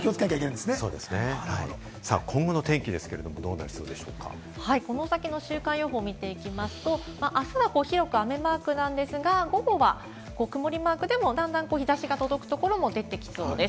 そうですね、今後の天気はどこの先の週間予報を見ると、あすは広く雨マークなんですが、午後は曇りマークでも段々、日差しが届くところも出てきそうです。